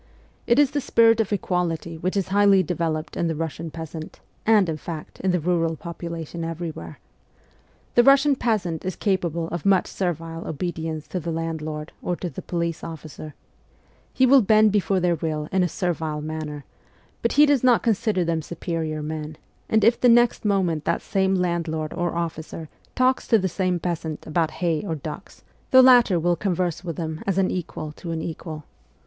It is the spirit of equality which is highly developed in the Bussian peasant and, in fact, in the rural population everywhere. The Kussian peasant is capable of much servile obedience to the landlord or to the police officer ; he will bend before their will in a servile manner ; but he does not consider them superior men, and if the next moment that same landlord or officer talks to the same peasant about hay or ducks, the latter will converse with them as an equal to an 124 MEMOIRS OF A REVOLUTIONIST equal.